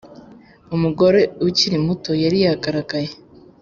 umugore ukiri muto yari yagaragaye